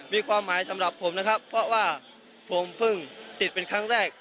มีความหมายสำหรับผมนะครับเพราะว่าผมเพิ่งสิทธิ์เป็นครั้งแรก